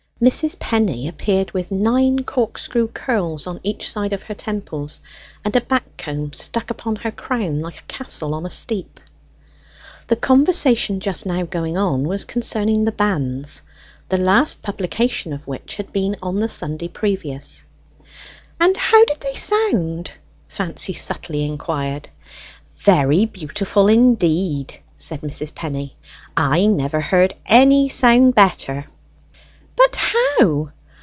Mrs. Penny appeared with nine corkscrew curls on each side of her temples, and a back comb stuck upon her crown like a castle on a steep. The conversation just now going on was concerning the banns, the last publication of which had been on the Sunday previous. "And how did they sound?" Fancy subtly inquired. "Very beautiful indeed," said Mrs. Penny. "I never heard any sound better." "But how?"